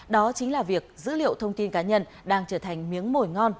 đó chính là việc dữ liệu thông tin cá nhân đang trở thành miếng mồi ngon